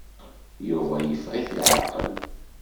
Yuba yeffeɣ-it leɛqel.